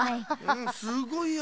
すごいや。